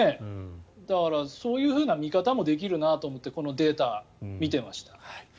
だからそういうふうな見方もできるなと思ってこのデータを見てました。